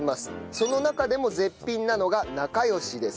その中でも絶品なのがなかよしです。